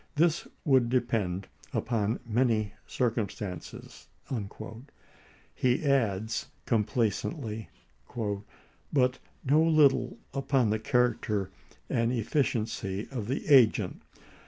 This ch. xiii. would depend upon many circumstances," lie adds complacently, " but no little upon the character and st^|?8' efficiency of the agent.